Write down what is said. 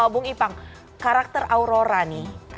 bung ipang karakter aurora nih